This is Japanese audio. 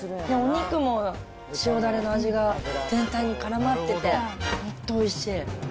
お肉も塩だれの味が、全体にからまってて、本当おいしい。